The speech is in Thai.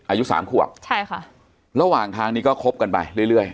อายุสามขวบใช่ค่ะระหว่างทางนี้ก็คบกันไปเรื่อยเรื่อย